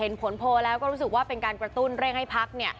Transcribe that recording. ผลโพลแล้วก็รู้สึกว่าเป็นการกระตุ้นเร่งให้พัก